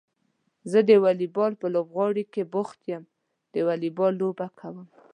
زه د واليبال په لوبغالي کې بوخت يم د واليبال لوبه کوم.